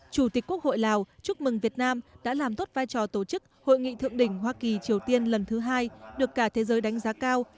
chủ tịch quốc hội lào chúc mừng việt nam đã làm tốt vai trò tổ chức hội nghị thượng đỉnh hoa kỳ triều tiên lần thứ hai được cả thế giới đánh giá cao